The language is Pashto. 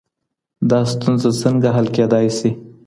دا ستونزه څنګه حل کيدای سي؟